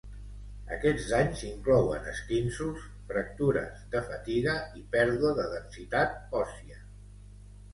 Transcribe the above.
Aquests danys inclouen esquinços, fractures de fatiga i pèrdua de densitat òssia.